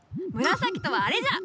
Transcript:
紫とはあれじゃ。